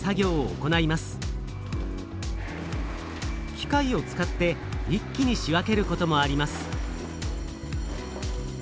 機械を使って一気に仕分けることもあります。